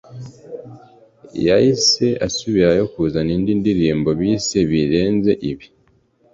yahise asubirayo kuzana indi ndirimbo bise ‘Birenze ibi’